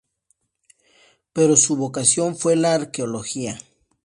Pero su vocación fue la Arqueología.